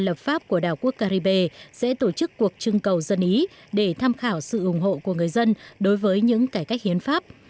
lập pháp của đảo quốc caribe sẽ tổ chức cuộc trưng cầu dân ý để tham khảo sự ủng hộ của người dân đối với những cải cách hiến pháp